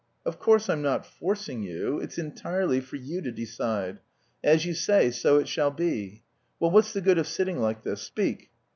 Of course I'm not forcing you. It's entirely for you to decide. As you say, so it shall be. Well, what's the good of sitting like this. Speak!"